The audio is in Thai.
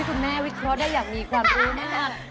คุณแม่วิเคราะห์ได้อยากมีความรู้มาก